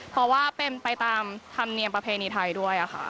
เพราะว่าเป็นไปตามธรรมเนียมประเพณีไทยด้วยค่ะ